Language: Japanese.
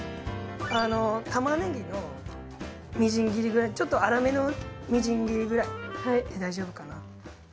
玉ねぎのみじん切りぐらいちょっと粗めのみじん切りぐらいで大丈夫かな。